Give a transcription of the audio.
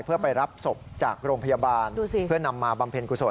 เพื่อไปรับศพจากโรงพยาบาลเพื่อนำมาบำเพ็ญกุศล